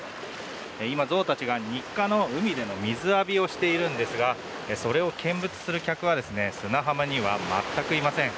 今、象たちが日課の海での水浴びをしているんですがそれを見物する客は砂浜には全くいません。